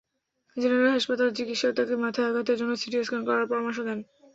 General হাসপাতালে চিকিৎসক তাঁকে মাথায় আঘাতের জন্য সিটি স্ক্যান করার পরামর্শ দেন।